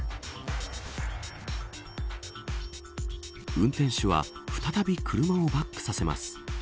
運転手は再び車をバックさせます。